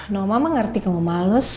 noh mama ngerti kamu males